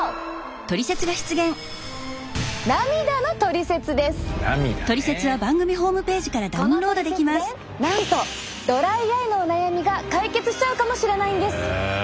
このトリセツでなんとドライアイのお悩みが解決しちゃうかもしれないんです！